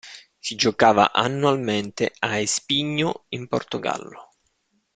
Si giocava annualmente a Espinho in Portogallo.